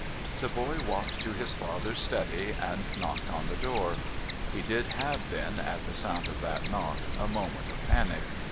The boy walked to his father's study and knocked on the door. He did have then, at the sound of that knock, a moment of panic.